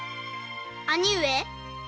兄上。